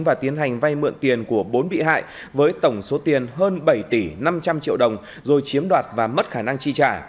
và tiến hành vay mượn tiền của bốn bị hại với tổng số tiền hơn bảy tỷ năm trăm linh triệu đồng rồi chiếm đoạt và mất khả năng chi trả